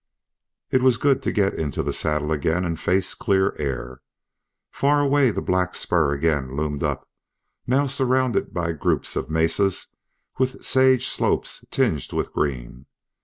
It was good to get into the saddle again and face clear air. Far away the black spur again loomed up, now surrounded by groups of mesas with sage slopes tinged with green.